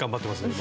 今。